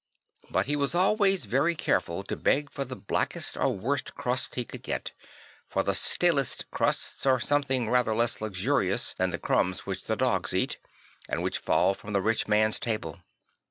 But he was always very careful to beg for the blackest or worst bread he could get, for the stalest crusts or something rather less luxurious than the crumbs which the dogs eat, and which fall from the rich man's table.